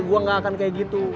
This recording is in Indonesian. gue gak akan kayak gitu